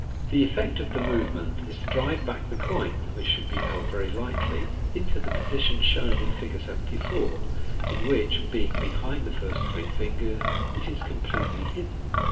The effect of the movement is to drive back the coin (which should be held very lightly) into the position shown in Fig. 74, in which, being behind the first three fingers, it is com pletely hidden.